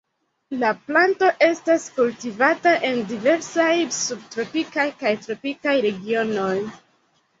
La planto estas kultivata en diversaj subtropikaj kaj tropikaj regionoj.